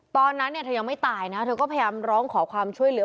ตอนนั้นเธอยังไม่ตายนะเธอก็พยายามร้องขอความช่วยเหลือ